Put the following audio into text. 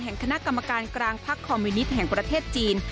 คณะกรรมการกลางพักคอมมิวนิตแห่งประเทศจีน